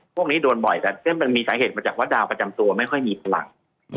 พวกนี้โดนบ่อยมีสารเข้าจากราวประจำตัวไม่ค่อยมีประหลัง